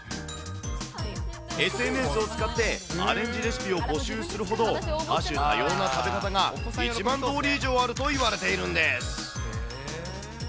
ＳＮＳを使ってアレンジレシピを募集するほど、多種多様の食べ方が１万通り以上あると言われているんです。